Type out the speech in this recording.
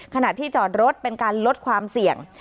ขณะที่จอดรถเป็นการลดความเสี่ยง